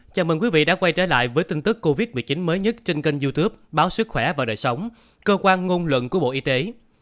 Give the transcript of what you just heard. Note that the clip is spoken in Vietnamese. chào mừng quý vị đã quay trở lại với tin tức covid một mươi chín mới nhất trên kênh youtube báo sức khỏe và đời sống cơ quan ngôn luận của bộ y tế